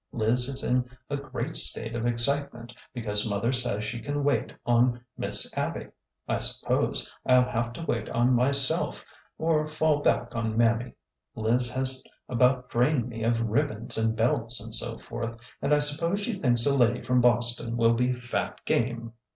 Liz is in a great state of excitement because mother says she can wait on Miss Abby. I suppose I 'll have to wait on myself or fall back on Mammy. Liz has about drained me of ribbons and belts and so forth, and I suppose she thinks a lady from Boston will be fat game."